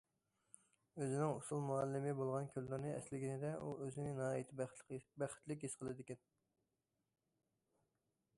ئۆزىنىڭ ئۇسسۇل مۇئەللىمى بولغان كۈنلىرىنى ئەسلىگىنىدە ئۇ ئۆزىنى ناھايىتى بەختلىك ھېس قىلىدىكەن.